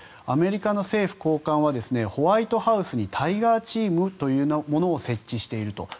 アメリカの政府高官はホワイトハウスにタイガーチームというものを設置していると。